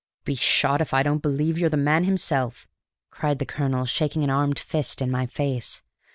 "Be shot if I don't believe you're the man himself!" cried the colonel, shaking an armed fist in my face.